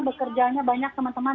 bekerjaannya banyak teman teman